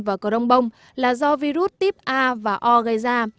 và cờ đông bông là do virus type a và o gây ra